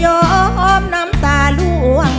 เพลงเพลง